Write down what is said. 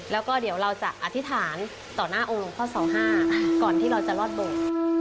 แล้วก็เดี๋ยวเราจะอธิษฐานต่อหน้าองค์หลวงพ่อเสาห้าก่อนที่เราจะรอดโบสถ์